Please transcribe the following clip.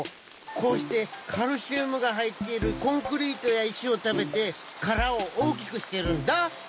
こうしてカルシウムがはいっているコンクリートやいしをたべてからをおおきくしてるんだ。